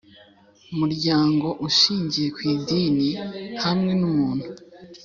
Muryango Ushingiye ku Idini hamwe n umuntu